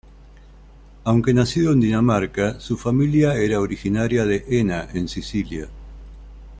Aunque nacido en Dinamarca, su familia era originaria de Enna en Sicilia.